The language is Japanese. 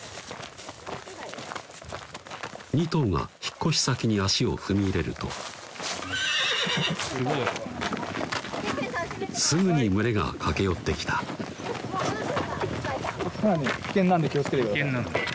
２頭が引っ越し先に脚を踏み入れるとすぐに群れが駆け寄ってきた更に危険なんで気を付けてください